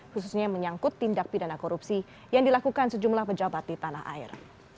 khususnya menyangkut tindak pidana korupsi yang dilakukan sejumlah pejabat di tanah air